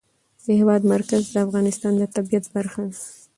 د هېواد مرکز د افغانستان د طبیعت برخه ده.